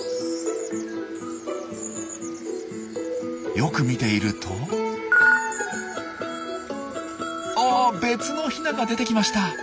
よく見ているとあ別のヒナが出てきました。